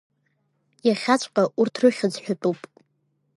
Иахьаҵәҟьа урҭ рыхьӡ ҳәатәуп.